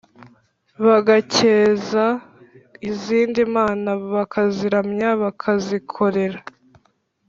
bagakeza izindi mana bakaziramya, bakazikorera